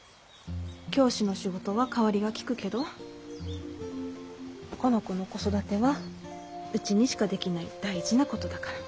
教師の仕事は代わりがきくけどこの子の子育てはうちにしかできない大事なことだから。